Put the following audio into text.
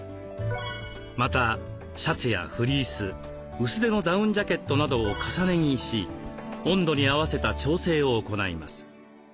またシャツやフリース薄手のダウンジャケットなどを重ね着し温度に合わせた調整を行います。